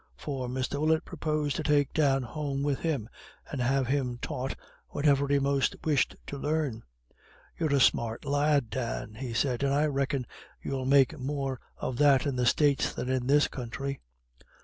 For Mr. Willett proposed to take Dan home with him, and have him taught whatever he most wished to learn. "You're a smart lad, Dan," he said, "and I reckon you'll make more of that in the States than in this country."